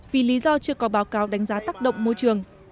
vì lý do chưa có báo cáo đánh giá tác động môi trường